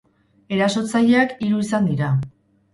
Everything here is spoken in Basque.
Erasotzaileak hiru izan dira.